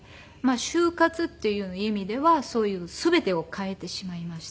終活という意味ではそういう全てを変えてしまいました。